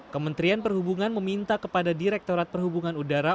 kementerian perhubungan meminta kepada direktorat perhubungan udara